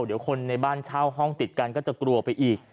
เดี๋ยวคนในบ้านเช่าห้องติดกันก็จะกลัวไปอีก